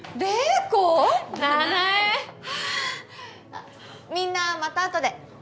あっみんなまたあとで。